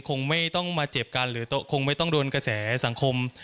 คงไม่ต้องมาเจ็บกันหรือคงไม่ต้องโดนกระแสสังคม